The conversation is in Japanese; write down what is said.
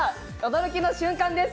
驚きの瞬間です。